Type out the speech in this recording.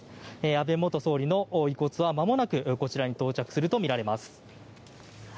安倍元総理の遺骨はまもなくこちらに到着するとみられます。